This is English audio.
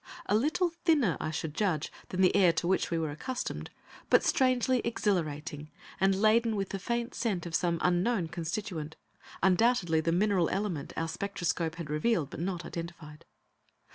A little thinner, I should judge, than the air to which we were accustomed, but strangely exhilarating, and laden with a faint scent of some unknown constituent undoubtedly the mineral element our spectroscope had revealed but not identified.